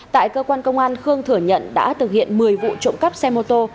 tại cơ quan công an khương thừa nhận đã thực hiện một mươi vụ trộm cắp xe mô tô